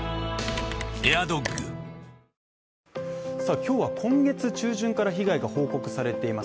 今日は今月中旬から被害が報告されています